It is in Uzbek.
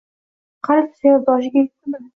Qalb suvaydosiga yetdimmi